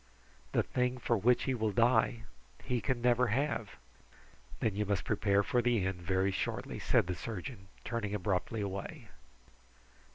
The thing for which he will die, he can never have." "Then you must prepare for the end very shortly" said the surgeon, turning abruptly away.